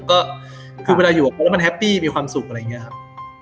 ก็คือเวลาอยู่มันแฮปปี้มีความสุขอะไรเงี้ยอืม